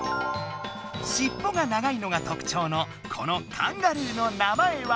しっぽが長いのがとくちょうのこのカンガルーの名前は？